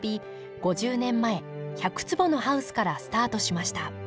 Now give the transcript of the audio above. ５０年前１００坪のハウスからスタートしました。